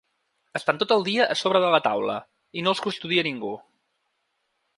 Estan tot el dia a sobre de la taula i no els custodia ningú.